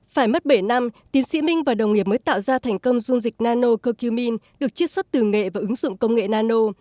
phải mất bảy năm tiến sĩ minh và đồng nghiệp mới tạo ra thành công dung dịch nano cocumin được chiếc xuất từ nghệ và ứng dụng công nghệ nano